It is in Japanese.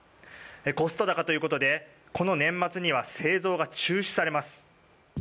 コスト高ということでこの年末には製造が中止されます。